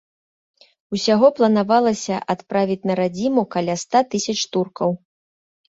Усяго планавалася адправіць на радзіму каля ста тысяч туркаў.